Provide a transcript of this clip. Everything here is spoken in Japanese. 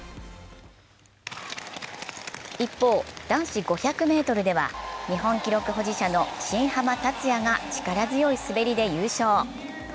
一方、男子５００ｍでは日本記録保持者の新濱立也が力強い滑りで優勝。